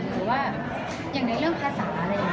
อย่างในเรื่องภาษา